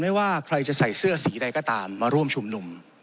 ไม่ว่าใครจะใส่เสื้อสีใดก็ตามมาร่วมชุมนุม